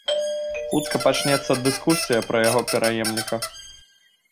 Хутка пачнецца дыскусія пра яго пераемніка.